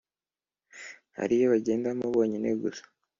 ariyo bagendamo bonyine gusa